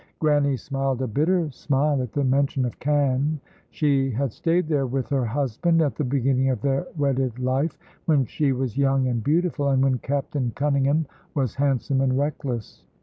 Grannie smiled a bitter smile at the mention of Cannes. She had stayed there with her husband at the beginning of their wedded life, when she was young and beautiful, and when Captain Cunningham was handsome and reckless.